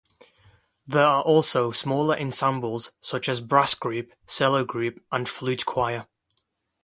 There are also smaller ensembles such as Brass Group, Cello Group and Flute Choir.